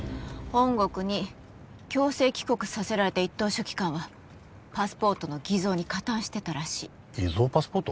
本国に強制帰国させられた一等書記官はパスポートの偽造に加担してたらしい偽造パスポート？